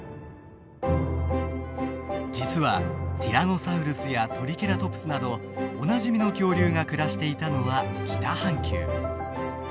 実はティラノサウルスやトリケラトプスなどおなじみの恐竜が暮らしていたのは北半球。